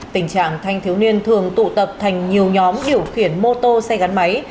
tình trạng thanh thiếu niên thường tụ tập thành nhiều nhóm điều khiển mô tô xe gắn máy